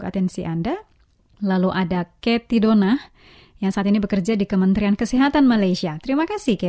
allah baik oh sungguh baik di setiap waktu